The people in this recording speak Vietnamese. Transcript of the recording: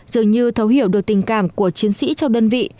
dường như thấu hiểu được tình cảm của chiến sĩ trong đơn vị